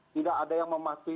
tidak ada yang memastikan